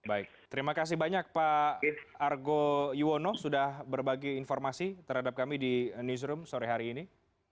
baik terima kasih banyak pak argo yuwono sudah berbagi informasi terhadap kami di newsroom sore hari ini